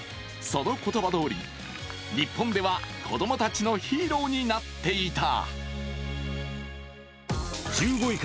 その言葉どおり、日本では子供たちのヒーローになっていた。